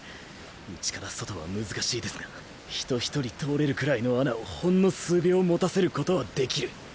内から外は難しいですが人一人通れるくらいの穴をほんの数秒もたせることはできる。